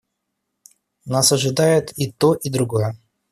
Нас ожидает и то, и другое.